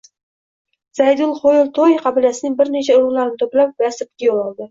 Zaydul Xoyl Toyi qabilasining bir necha ulug‘larini to‘plab, Yasribga yo‘l oldi